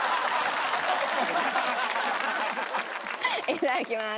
いただきます。